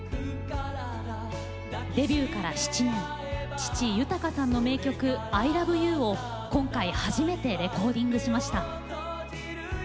デビューから７年父、豊さんの名曲「ＩＬＯＶＥＹＯＵ」を今回、初めてレコーディングしました。